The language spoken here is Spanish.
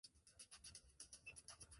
El útero es propenso a las infecciones.